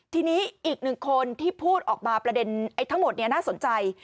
ทีนี้อีกหนึ่งคนที่พูดออกมาประเด็นทั้งหมดน่าสนใจ